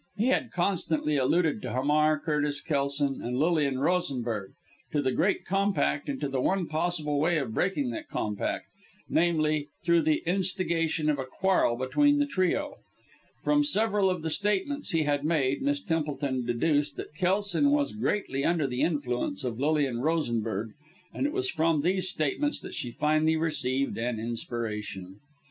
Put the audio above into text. He had constantly alluded to Hamar, Curtis, Kelson and Lilian Rosenberg; to the great compact, and to the one possible way of breaking that compact namely through the instigation of a quarrel between the trio. From several of the statements he had made, Miss Templeton deduced that Kelson was greatly under the influence of Lilian Rosenberg and it was from these statements that she finally received an inspiration.